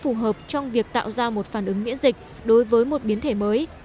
phù hợp trong việc tạo ra một phản ứng miễn dịch đối với một biến thể mới